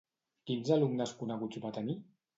Quins alumnes coneguts va tenir?